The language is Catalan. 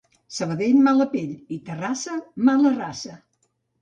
Sabadell mala pell i Terrassa mala raça